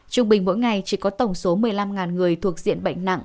trung bình mỗi ngày chỉ có tổng số một mươi năm người thuộc diện bệnh nặng